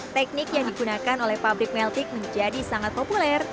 teknik yang digunakan oleh pabrik meltik menjadi sangat populer